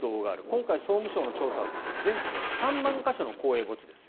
今回、総務省の調査は全国の３万か所の公営墓地です。